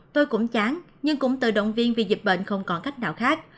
tôi cũng chán nhưng cũng tự động viên vì dịch bệnh không còn cách nào khác